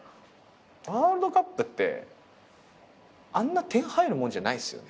ワールドカップってあんな点入るもんじゃないっすよね。